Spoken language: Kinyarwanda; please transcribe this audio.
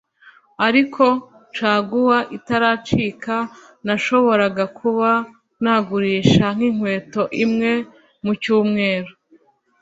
ariko caguwa itaracika nashoboraga kuba nagurisha nk’inkweto imwe mu cyumweru